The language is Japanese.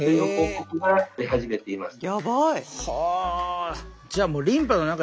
やばい！